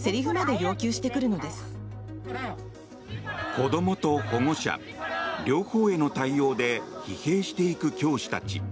子どもと保護者両方への対応で疲弊していく教師たち。